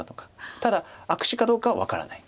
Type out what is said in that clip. ただ悪手かどうかは分からない。